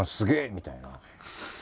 みたいな。